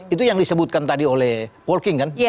itu yang disebutkan tadi oleh paul king kan